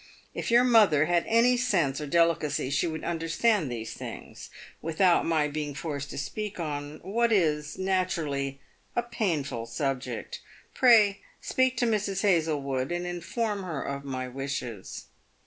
If your mother had any sense or delicacy she would understand these things, without my being forced to speak on what is, naturally, a painful subject. Pray speak to Mrs. Hazlewood, and inform her of my wishes."